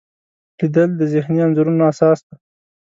لیدل د ذهني انځورونو اساس دی